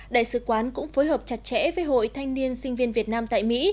đại sứ quán cũng phối hợp chặt chẽ với hội thanh niên sinh viên việt nam tại mỹ